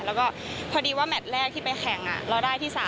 แล้วก็พอดีว่าแมทแรกที่ไปแข่งเราได้ที่๓